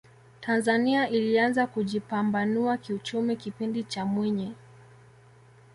tanzania ilianza kujipambanua kiuchumi kipindi cha mwinyi